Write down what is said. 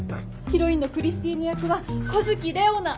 ヒロインのクリスティーヌ役は湖月レオナ。